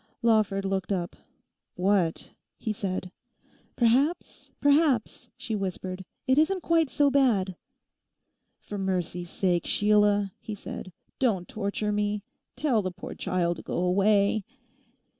Lawford looked up. 'What?' he said. 'Perhaps, perhaps,' she whispered, 'it isn't quite so bad.' 'For mercy's sake, Sheila,' he said, 'don't torture me; tell the poor child to go away.